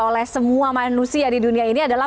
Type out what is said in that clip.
oleh semua manusia di dunia ini adalah